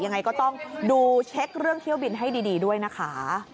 ยังไงก็ต้องดูเช็คเรื่องเที่ยวบินให้ดีด้วยนะคะ